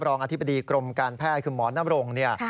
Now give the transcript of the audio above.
รองอธิบดีกรมการแพทย์คือหมอน้ำรงค์เนี่ย